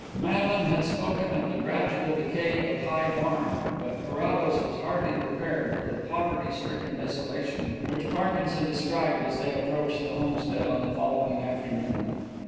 Madeline had spoken of the gradual decay of High Barn, but Carrados was hardly prepared for the poverty stricken desolation which Parkinson described as they approached the homestead on the following afternoon.